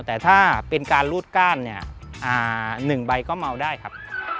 แต่ถ้าเป็นการรูดก้านเนี่ย๑ใบก็เมาได้ครับ